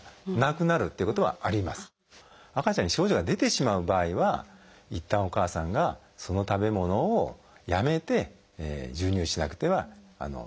赤ちゃんに症状が出てしまう場合はいったんお母さんがその食べ物をやめて授乳しなくてはいけません。